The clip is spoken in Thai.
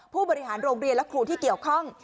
ผู้บริหารโรงเรียนและครูที่เกี่ยวข้อง